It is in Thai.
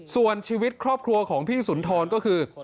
ส่วนชีวิตครอบครัวของพี่สุนทรก็คือ